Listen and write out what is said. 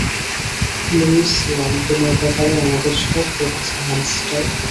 Lois Lane তোমার ব্যাপারে আমাদের সব বলেছে, হ্যামস্টার।